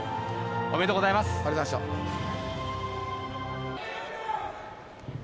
おめでとうございます。